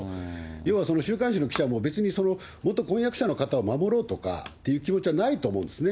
要は週刊誌の記者も、別に元婚約者の方を守ろうとかっていう気持ちはないと思うんですよね。